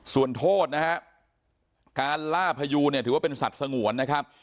ส่วนโทษนะฮะการล่าพยูเนี่ยถือว่าเป็นสัตว์สงวนนะครับ